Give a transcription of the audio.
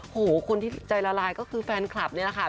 คนที่ใจละลายก็คือแฟนคลับนี่แหละค่ะ